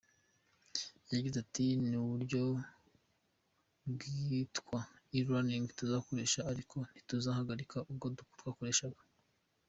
Yagize ati “Ni ubwo buryo bwitwa ‘e-Leaning’ tuzakoresha ariko ntituzahagarika ubwo twakoreshaga.